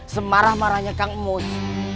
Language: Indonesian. semarah marahnya kang mus